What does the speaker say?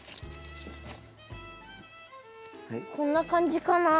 こんな感じかな？